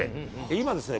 今ですね